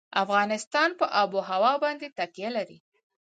افغانستان په آب وهوا باندې تکیه لري.